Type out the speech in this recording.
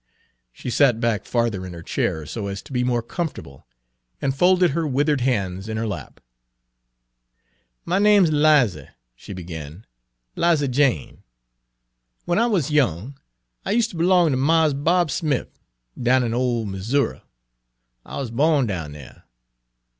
She sat back farther in her chair so as to Page 12 be more comfortable, and folded her withered hands in her lap. "My name's 'Liza," she began, " 'Liza Jane. W'en I wuz young I us'ter b'long ter Marse Bob Smif, down in ole Missoura. I wuz bawn down dere.